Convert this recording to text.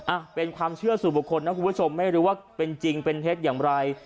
อ่ะเป็นความเชื่อสู่บุคคลนะคุณผู้ชมไม่รู้ว่าเป็นจริงเป็นเท็จอย่างไร